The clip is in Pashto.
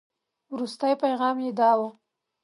وروستي پيغام یې داو.